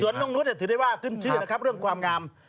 สวนโน่งนุษย์ถือได้ว่าขึ้นชื่อเรื่องความงาม